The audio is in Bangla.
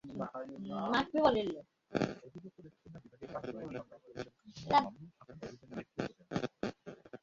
অধিদপ্তরের খুলনা বিভাগীয় কার্যালয়ের সহকারী পরিচালক মোহাম্মদ মামুনুল হাসান অভিযানে নেতৃত্ব দেন।